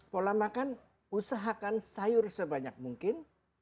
pola makan usahakan sayur sebanyak mungkin